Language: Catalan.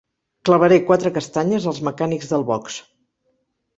Clavaré quatre castanyes als mecànics del box.